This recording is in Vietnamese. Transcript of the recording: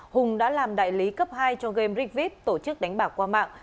hùng đã làm đại lý cấp hai cho game rigvis tổ chức đánh bạc qua mạng